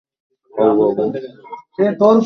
খাও, বাবু!